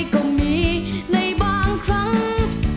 ขอบคุณครับ